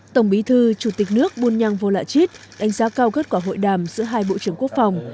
tổng bí thư chủ tịch nước bùn nhang vô lạ chít đánh giá cao kết quả hội đàm giữa hai bộ trưởng quốc phòng